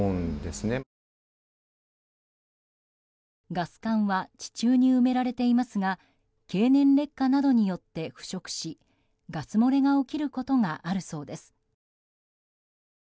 ガス管は地中に埋められていますが経年劣化などによって腐食しガス漏れが起きることがあるそうです。